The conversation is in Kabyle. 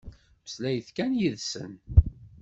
Mmeslayet kan yid-sen.